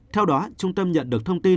theo đó trung tâm nhận được thông tin